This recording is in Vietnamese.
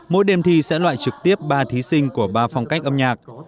mỗi đêm thi sẽ loại trực tiếp ba thí sinh của ba phong cách âm nhạc